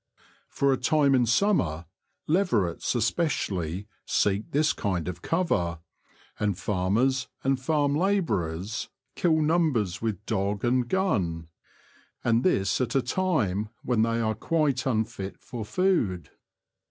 For a time in summer, leverets especially seek this kind of cover, and farmers and farm labourers kill numbers with dog and The Confessions of a T^oacher, 71 gun — and this at a time when they are quite unfit for food.